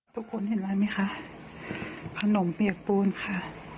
ทุกคนเห็นอะไรไหมคะขนมเปียกปูนค่ะ